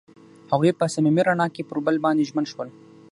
هغوی په صمیمي رڼا کې پر بل باندې ژمن شول.